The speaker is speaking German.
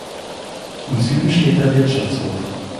Im Süden steht der Wirtschaftshof.